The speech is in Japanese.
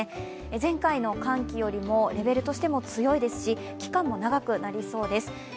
前回の寒気よりもレベルとしても強いですし期間も長くなりそうです。